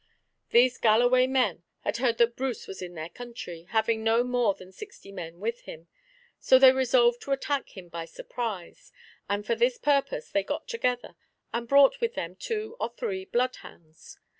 These Galloway men had heard that Bruce was in their country, having no more than sixty men with him; so they resolved to attack him by surprise, and for this purpose they got together and brought with them two or three bloodhounds.